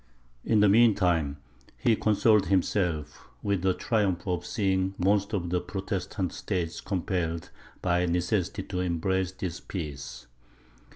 In the mean time, he consoled himself with the triumph of seeing most of the Protestant states compelled by necessity to embrace this peace.